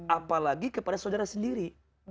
apalagi kepada saudara sendiri